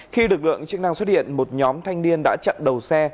khi lực lượng chức năng xuất hiện một nhóm thanh niên đã chặn đầu xe